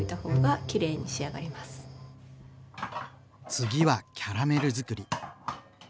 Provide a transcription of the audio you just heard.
次はキャラメルづくり。